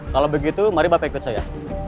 kalau begitu mari bapak ikut saya